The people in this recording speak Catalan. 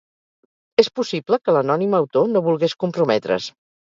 És possible que l'anònim autor no volgués comprometre's.